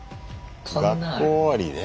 学校終わりね。